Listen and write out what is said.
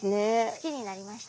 好きになりました。